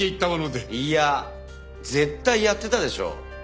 いや絶対やってたでしょ。